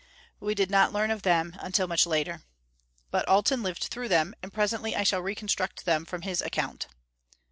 We did not learn of them until much later. But Alten lived through them, and presently I shall reconstruct them from his account.